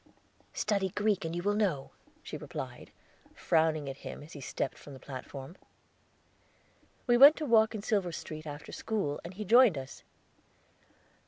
"Study Greek and you will know," she replied, frowning at him as he stepped from the platform. We went to walk in Silver Street after school, and he joined us.